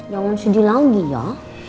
jangan sedih lagi ya